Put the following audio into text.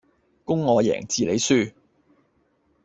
公我贏,字你輸